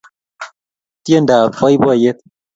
tiendab boiboiyet